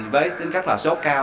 với tính cách là sốt cao